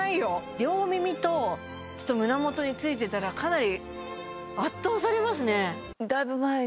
両耳と胸元についてたらかなり圧倒されますね